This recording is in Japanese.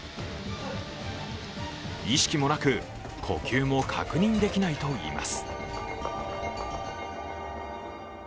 意識もなく、呼吸も確認できないといいます。